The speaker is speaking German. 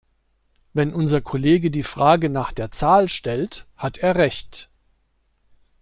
Wenn unser Kollege die Frage nach der Zahl stellt, hat er Recht.